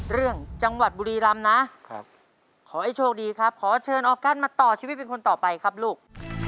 เรื่องจังหวัดบุรีรำนะขอให้โชคดีครับขอเชิญออกั้นมาต่อชีวิตเป็นคนต่อไปครับลูก